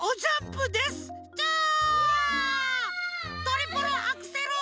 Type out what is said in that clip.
トリプルアクセル！